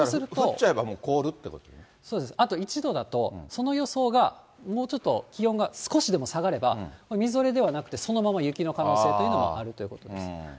降っちゃえば凍るということそうです、あと１度だとその予想がもうちょっと気温が少しでも下がれば、みぞれではなくて、そのまま雪の可能性というのもあるということです。